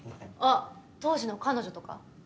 あっ当時の彼女とか。